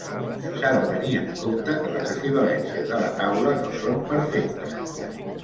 S'ha de tenir en compte que les equivalències de la taula no són perfectes.